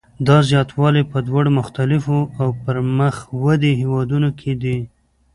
دا زیاتوالی په دواړو پرمختللو او مخ پر ودې هېوادونو کې دی.